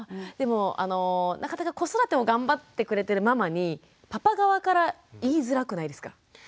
でもなかなか子育てを頑張ってくれてるママにパパ側から言いづらくないですか？